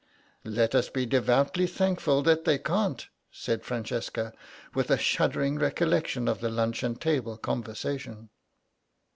"Let us be devoutly thankful that they can't," said Francesca, with a shuddering recollection of the luncheon table conversation.